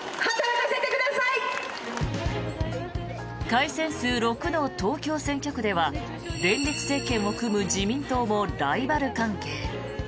改選数６の東京選挙区では連立政権を組む自民党もライバル関係。